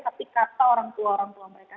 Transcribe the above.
tapi kata orang tua orang tua mereka